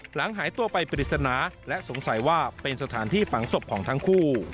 หายตัวไปปริศนาและสงสัยว่าเป็นสถานที่ฝังศพของทั้งคู่